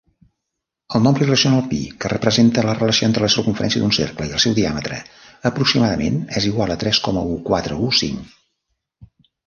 El nombre irracional pi, que representa la relació entre la circumferència d'un cercle i el seu diàmetre, aproximadament és igual a tres coma u, quatre, u, cinc.